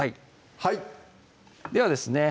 はいではですね